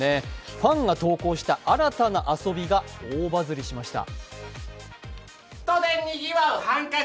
ファンが投稿した新たな遊びが大バズりしました。